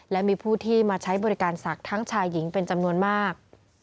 และมีผู้ที่มาใช้บริการศักดิ์ทั้งชายหญิงเป็นจำนวนมาก